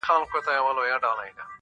پر موږ راغلې توره بلا ده!